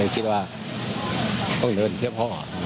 ก็เลยคิดว่าต้องเดินเพียงพ่อ